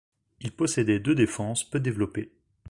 Il possédait deux défenses peu développées.